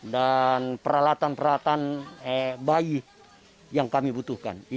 dan peralatan peralatan bayi yang kami butuhkan